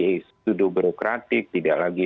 pseudo bureaucratik tidak lagi